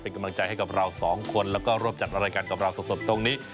เป็นกำลังใจให้กับเราสองคนแล้วก็ร่วมจัดรายการกับเราสดตรงนี้